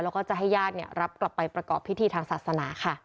แล้วก็จะให้ญาติรับกลับไปประกอบพิธีทางศาสนาค่ะ